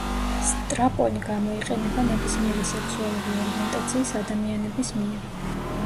სტრაპონი გამოიყენება ნებისმიერი სექსუალური ორიენტაციის ადამიანების მიერ.